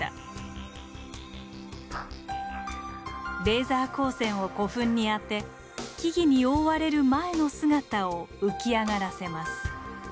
レーザー光線を古墳に当て木々に覆われる前の姿を浮き上がらせます。